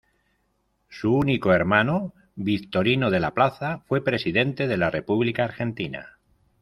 Su único hermano, Victorino de la Plaza, fue presidente de la República Argentina.